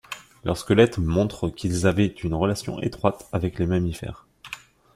Leur squelette montre qu'ils avaient une relation étroite avec les mammifères.